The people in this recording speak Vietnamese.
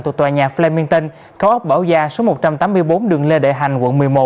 từ tòa nhà flemington cao ốc bảo gia số một trăm tám mươi bốn đường lê đệ hành quận một mươi một